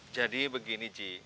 jadi begini ji